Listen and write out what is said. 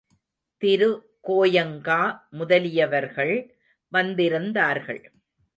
திரு கோயங்கா முதலியவர்கள் வந்திருந்தார்கள்.